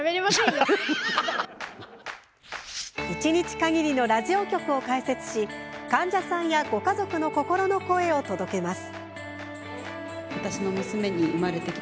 一日限りのラジオ局を開設し患者さんやご家族の心の声を届けます。